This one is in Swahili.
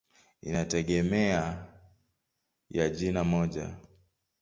Inategemea ya jina moja.